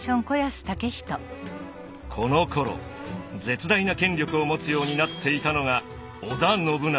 このころ絶大な権力を持つようになっていたのが織田信長。